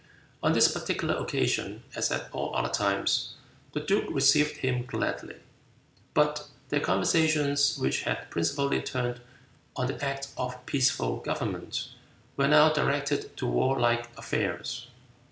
On this particular occasion, as at all other times, the duke received him gladly, but their conversations, which had principally turned on the act of peaceful government, were now directed to warlike affairs.